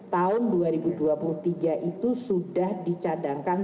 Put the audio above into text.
tahun dua ribu dua puluh tiga itu sudah dicadangkan